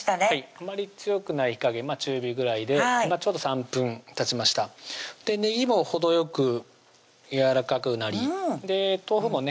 あまり強くない火加減中火ぐらいで今ちょうど３分たちましたねぎも程よくやわらかくなり豆腐もね